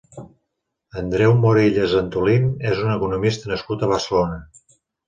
Andreu Morillas Antolín és un economista nascut a Barcelona.